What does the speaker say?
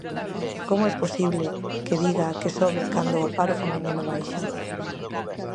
Como é posible que diga que sobe cando o paro feminino baixa?